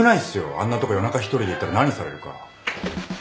あんなとこ夜中一人で行ったら何されるか。